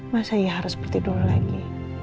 masa ya harus ber tidur lagi